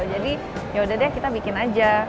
jadi yaudah deh kita bikin aja